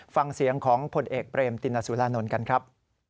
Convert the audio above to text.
ฟังเสียงของผลเอกเปรมตินสุรานนท์กันครับ